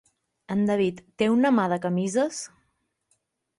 En David té una mà de camises!